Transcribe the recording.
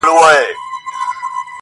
• موري ډېوه دي ستا د نور د شفقت مخته وي.